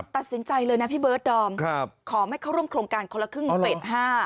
ตัดสินใจเลยนะพี่เบิร์ดดอมขอไม่เข้าร่วมโครงการคนละครึ่งเฟส๕